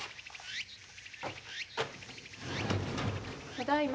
ただいま。